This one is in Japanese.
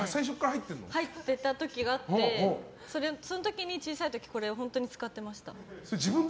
入ってた時があって小さい時これを本当に使ってました。